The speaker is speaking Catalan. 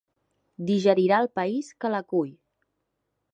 Digerirà el país que l'acull.